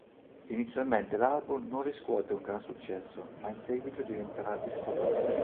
Inizialmente l'album non riscuote un gran successo, ma in seguito diventerà disco d'oro.